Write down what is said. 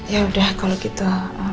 ya udah kalau gitu